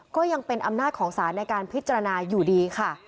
ก็ยังเป็นอำนาจของศาลในการพิจารณาอยู่ดีค่ะ